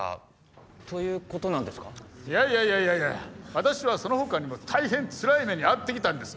私はそのほかにも大変つらい目に遭ってきたんです。